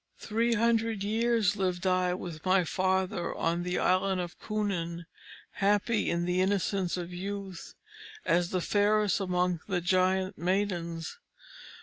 Three hundred years lived I with my father on the island of Kunnan, happy in the innocence of youth, as the fairest among the Giant maidens.